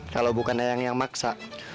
kalau bukan yang maksa